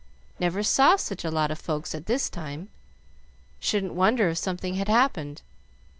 Never saw such a lot of folks at this time. Shouldn't wonder if something had happened.